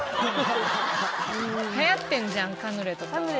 流行ってんじゃんカヌレとか。